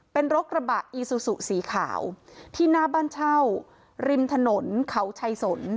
เป็นรถกระบะอีซูซูสีขาวที่หน้าบ้านเช่าริมถนนเขาชัยสน